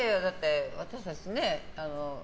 私たちね